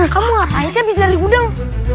kamu ngapain sih abis dari gudang